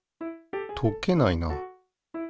溶けないな。